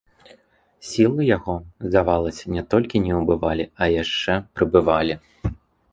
Сілы яго, здавалася, не толькі не ўбывалі, а яшчэ прыбывалі.